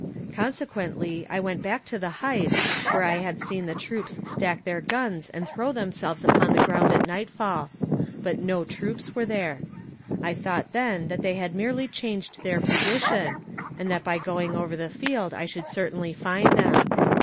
Consequently I went back to the heights, where I had seen the troops stack their guns and throw themselves upon the ground at night fall, but no troops were there. I thought then that they had merely changed their position, and that by going over the field I should certainly find them.